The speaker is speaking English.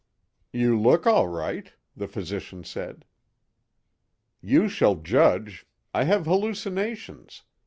"You look all right," the physician said. "You shall judge—I have hallucinations.